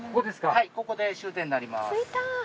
はいここで終点になります。